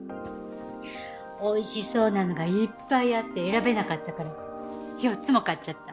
美味しそうなのがいっぱいあって選べなかったから４つも買っちゃった。